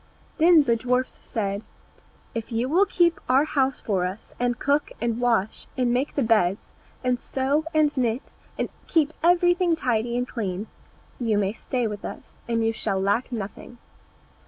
Then the dwarfs said, "If you will keep our house for us, and cook, and wash, and make the beds, and sew and knit, and keep everything tidy and clean, you may stay with us, and you shall lack nothing."